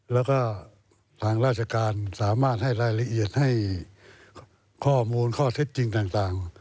แล้วก็ทางราชการสามารถให้รายละเอียดให้ข้อมูลข้อเท็จจริงต่าง